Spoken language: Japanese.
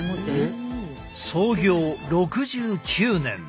創業６９年。